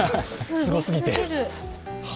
すごすぎて。